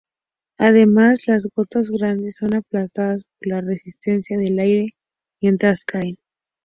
Además, las gotas grandes son aplastadas por la resistencia del aire mientras caen.